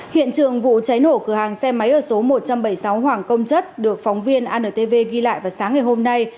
hiện trường vụ cháy nổ cửa hàng xe máy ở số một trăm bảy mươi sáu hoàng công chất được phóng viên antv ghi lại vào sáng ngày hôm nay